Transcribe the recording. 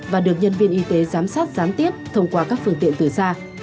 và được nhân viên y tế giám sát gián tiếp thông qua các phương tiện từ xa